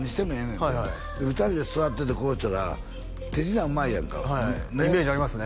んで２人で座っててこうしてたら手品うまいやんかイメージありますね